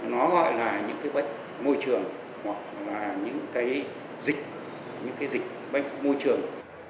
nó gọi là những cái bệnh môi trường hoặc là những cái dịch những cái dịch bệnh môi trường